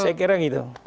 saya kira gitu